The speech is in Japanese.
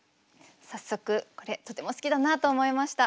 早速これとても好きだなと思いました。